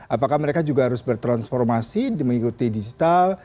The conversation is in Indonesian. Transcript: apakah mereka juga harus bertransformasi mengikuti digital